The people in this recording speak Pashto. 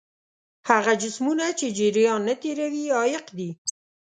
هغه جسمونه چې جریان نه تیروي عایق دي.